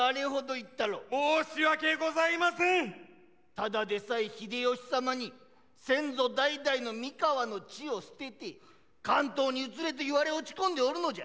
ただでさえ秀吉様に先祖代々の三河の地を捨てて関東にうつれと言われ落ち込んでおるのじゃ。